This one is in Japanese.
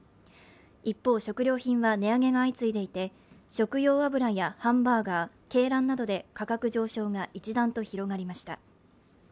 一方、食料品は値上げが相次いでいて、食用油やハンバーガー、鶏卵などで価格上昇が一段と広がりました。